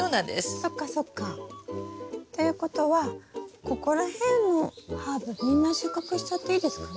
そっかそっか。ということはここら辺のハーブみんな収穫しちゃっていいですかね？